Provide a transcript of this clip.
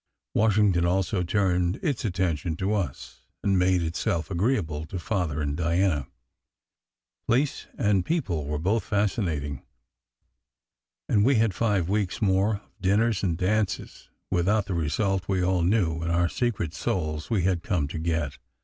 Washington also turned its attention to us, and made itself agreeable to Father and Diana. Place and people were both fascinating; and we had five weeks more of dinners and dances, without the result we all knew in our secret souls we had come to get.